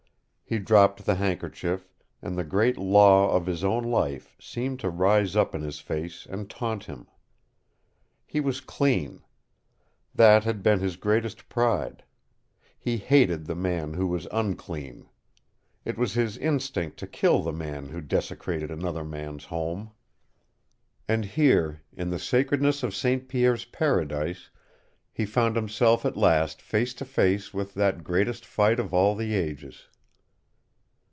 He dropped the handkerchief, and the great law of his own life seemed to rise up in his face and taunt him. He was clean. That had been his greatest pride. He hated the man who was unclean. It was his instinct to kill the man who desecrated another man's home. And here, in the sacredness of St. Pierre's paradise, he found himself at last face to face with that greatest fight of all the ages.